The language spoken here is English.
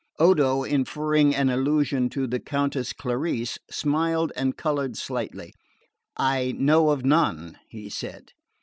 Odo, inferring an allusion to the Countess Clarice, smiled and coloured slightly. "I know of none," he said.